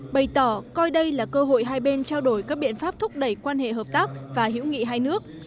bày tỏ coi đây là cơ hội hai bên trao đổi các biện pháp thúc đẩy quan hệ hợp tác và hữu nghị hai nước